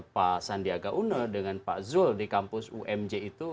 pak sandiaga uno dengan pak zul di kampus umj itu